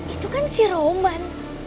itu kan si roman